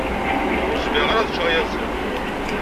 Ur zmireɣ ara ad ččeɣ ayaziḍ.